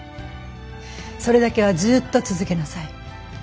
それだけはずっと続けなさい。